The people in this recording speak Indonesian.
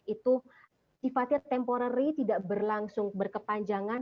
itu tiba tiba temporer tidak berlangsung berkepanjangan